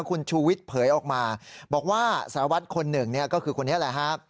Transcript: คุณชูวิทย์เผยออกมาบอกว่าสารวัตรคนหนึ่งก็คือคนนี้แหละฮะ